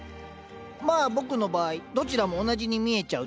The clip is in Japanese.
まあ僕の場合どちらも同じに見えちゃうというね。